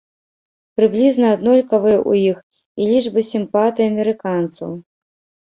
Прыблізна аднолькавыя ў іх і лічбы сімпатый амерыканцаў.